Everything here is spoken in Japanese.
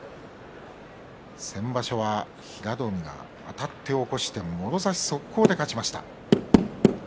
先場所は平戸海があたって起こしてもろ差し速攻で勝ちました。